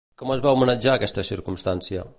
Com es va homenatjar aquesta circumstància?